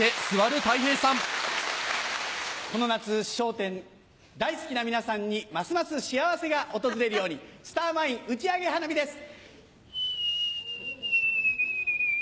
この夏『笑点』大好きな皆さんにますます幸せが訪れるようにスターマイン打ち上げ花火です。